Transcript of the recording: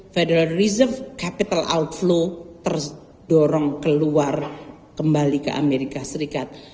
federal reserve capital outflow terdorong keluar kembali ke amerika serikat